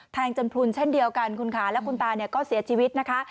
จนพลุนเช่นเดียวกันคุณค่ะและคุณตาเนี่ยก็เสียชีวิตนะคะ